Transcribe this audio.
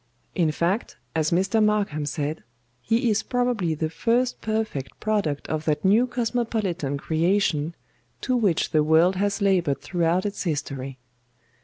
In fact, as Mr. MARKHAM said, he is probably the first perfect product of that new cosmopolitan creation to which the world has laboured throughout its history.